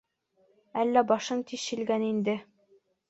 Әллә башың тишелгән инде?